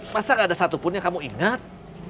masa gak ada satupun yang kamu ingat